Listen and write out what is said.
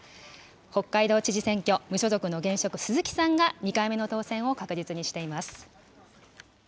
北海道知事選挙、無所属の現職、鈴木さんが２回目の当選を確実にしています。